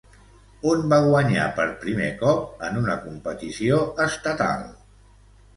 On va guanyar per primer cop en una competició estatal?